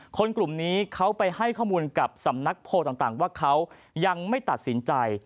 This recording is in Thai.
กลุ่มนี้เขาไปให้ข้อมูลกับสำนักโพลต่างว่าเขายังไม่ตัดสินใจ